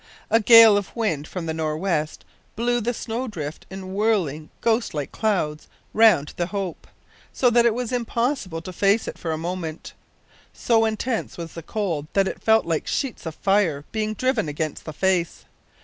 A gale of wind from the nor' west blew the snow drift in whirling ghost like clouds round the Hope, so that it was impossible to face it for a moment. So intense was the cold that it felt like sheets of fire being driven against the face!